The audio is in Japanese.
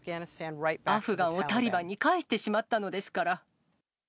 アフガンをタリバンに返してしまったのですから。